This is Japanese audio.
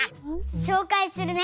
しょうかいするね！